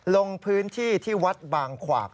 ลงพื้นที่ที่วัดบางขวาก